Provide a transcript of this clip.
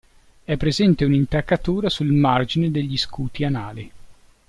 È presente un'intaccatura sul margine degli scuti anali.